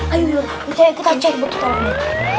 ayo yuk kita cek bentuk tolongnya